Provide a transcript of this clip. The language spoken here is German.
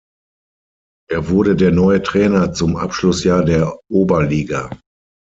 Er wurde der neue Trainer zum Abschlussjahr der Oberliga.